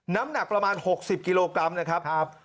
น้ำหนักประมาณ๖๐กิโลกรัมนะครับ